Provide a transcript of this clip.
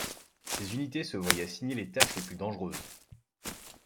Ces unités se voyaient assigner les tâches les plus dangereuses.